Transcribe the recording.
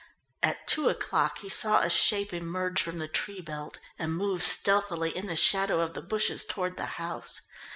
At two o'clock he saw a shape emerge from the tree belt and move stealthily in the shadow of the bushes toward the house.